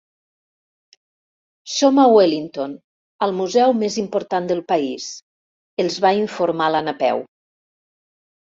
Som a Wellington, al museu més important del país —els va informar la Napeu—.